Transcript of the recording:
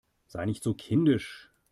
Sei nicht so kindisch!